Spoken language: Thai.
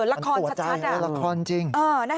อันตัวใจอันตัวละครจริง